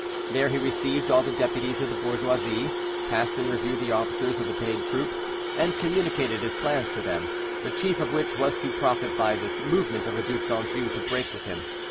There he received all the deputies of the bourgeoisie, passed in review the officers of the paid troops, and communicated his plans to them, the chief of which was to profit by this movement of the Duc d'Anjou to break with him.